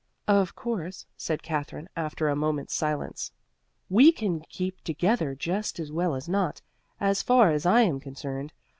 "Of course," said Katherine after a moment's silence, "we can keep together just as well as not, as far as I am concerned.